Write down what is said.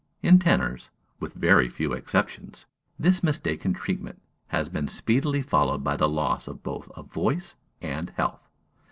In tenors, with very few exceptions, this mistaken treatment has been speedily followed by the loss both of voice and health.